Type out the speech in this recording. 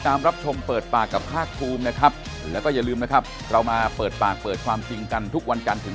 อย่างที่แป้งเขาบอกว่าเขาร้องขอความเป็นธรรม